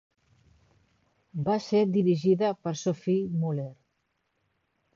Va ser dirigida per Sophie Muller.